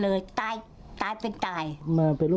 ยืนหยันเลยตายไปเต่า